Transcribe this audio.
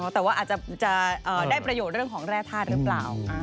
แต่ว่าอาจจะได้ประโยชน์เรื่องของแร่ธาตุหรือเปล่า